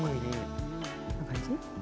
こんな感じ？